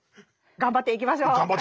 頑張っていきましょう。